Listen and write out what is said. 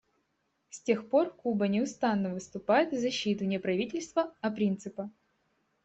С тех пор Куба неустанно выступает в защиту не правительства, а принципа.